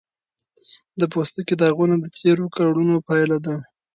د پوستکي داغونه د تېرو کړنو پایله ده.